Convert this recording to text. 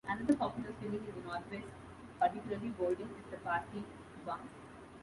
Another popular filling in the Northwest, particularly Bolton, is the pasty barm.